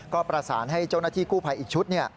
ก็ประสานให้เจ้าหน้าที่กู้ภัยอีกชุด